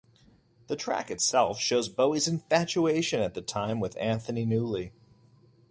The track itself shows Bowie's infatuation at the time with Anthony Newley.